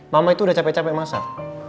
mama itu udah capek capek masak